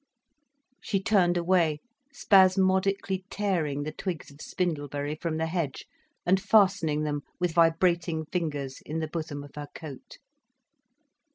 She turned away, spasmodically tearing the twigs of spindleberry from the hedge, and fastening them, with vibrating fingers, in the bosom of her coat.